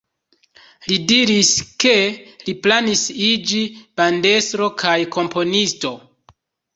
Li diris, ke li planis iĝi bandestro kaj komponisto.